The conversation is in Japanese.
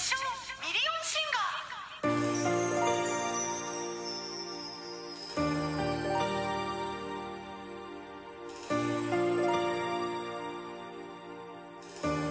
ミリオンシンガー・すごっ！